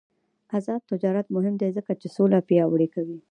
آزاد تجارت مهم دی ځکه چې سوله پیاوړې کوي.